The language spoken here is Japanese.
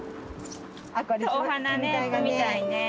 ・お花ね摘みたいね。